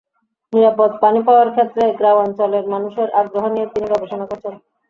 নিরাপদ পানি পাওয়ার ক্ষেত্রে গ্রামাঞ্চলের মানুষের আগ্রহ নিয়ে তিনি গবেষণা করেছেন।